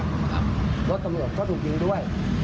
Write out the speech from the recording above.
รถตำรวจก็ถูกยิงด้วย